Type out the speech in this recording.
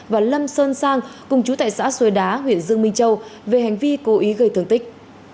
và lâm sơn sang cùng chú tại xã xuôi đá huyện dương minh châu về hành vi cố ý gây thương tích